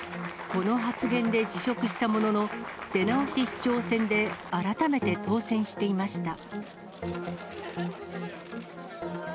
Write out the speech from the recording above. この発言で辞職したものの、出直し市長選で改めて当選していました。